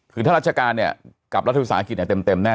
คือถ้าราชการเนี่ยกับรัฐวิสาหกิจเนี่ยเต็มแน่